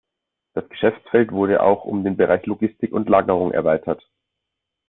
Das Geschäftsfeld wurde auch um den Bereich Logistik und Lagerung erweitert.